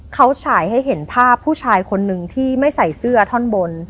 เขาฉายให้เห็นภาพผู้ชายคนนึงที่ไม่ใส่เสื้อท่อนบน